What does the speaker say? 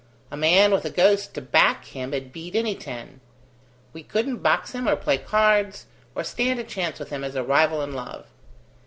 A man with a ghost to back him'd beat any ten. We couldn't box him or play cards, or stand a chance with him as a rival in love.